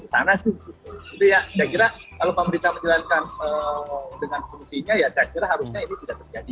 saya kira kalau pemerintah menjalankan dengan fungsinya ya saya kira harusnya ini tidak terjadi